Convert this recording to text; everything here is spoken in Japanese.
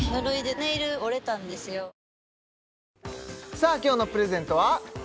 さあ今日のプレゼントは？